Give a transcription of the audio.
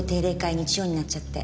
日曜になっちゃって。